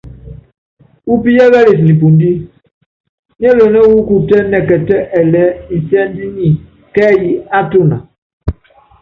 Upíyɛ́kɛlɛt nipundí niɛ́lɛnɛ́ wɔ́ kutɛ nɛkɛtɛ́ ɛlɛɛ́ insɛ́nd nyɛ kɛ́ɛ́y á tuna.